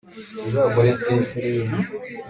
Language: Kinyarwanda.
barasinziriye